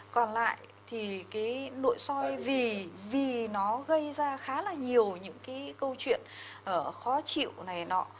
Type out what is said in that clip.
còn lại thì cái nội soi vì vì nó gây ra khá là nhiều những cái câu chuyện khó chịu này nọ